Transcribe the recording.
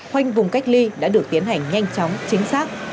khoanh vùng cách ly đã được tiến hành nhanh chóng chính xác